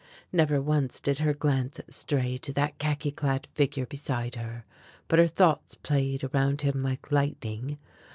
Never once did her glance stray to that khaki clad figure beside her, but her thoughts played around him like lightning.